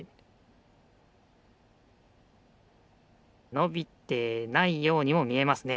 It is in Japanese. のびてないようにもみえますね。